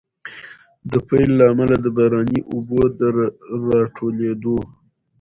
د پيل له امله، د باراني اوبو د راټولېدو